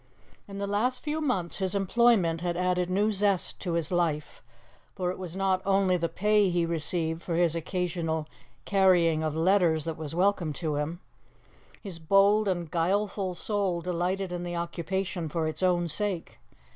In the last few months his employment had added new zest to his life, for it was not only the pay he received for his occasional carrying of letters that was welcome to him; his bold and guileful soul delighted in the occupation for its own sake.